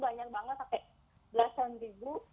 banyak banget sampai belasan ribu